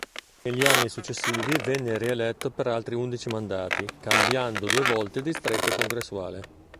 Negli anni successivi venne rieletto per altri undici mandati, cambiando due volte distretto congressuale.